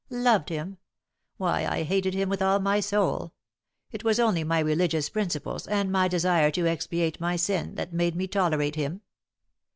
"Loved him! Why, I hated him with all my soul. It was only my religious principles, and my desire to expiate my sin, that made me tolerate him."